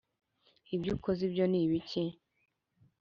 ibyo ukoze ibyo ni ibiki